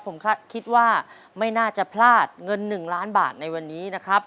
ผมคิดว่าไม่น่าจะพลาดเงิน๑ล้านบาทในวันนี้นะครับ